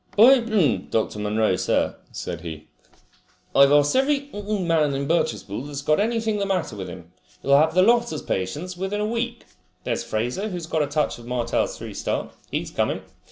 "By , Dr. Munro, sir," said he, "I've asked every man in Birchespool that's got anything the matter with him. You'll have the lot as patients within a week. There's Fraser, who's got a touch of Martell's three star. He's coming.